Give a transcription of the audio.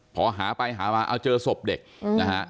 พอหาไปหามาเอาเจอศพเด็กนะฮะ